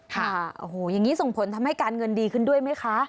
ค่ะโอ้โหอย่างนี้ส่งผลทำให้การเงินดีขึ้นด้วยไหมคะ